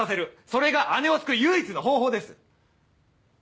それが姉を救う唯一の方法です。